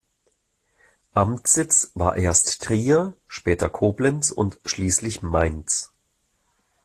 Amtssitz war erst Trier, später Koblenz und schließlich Mainz.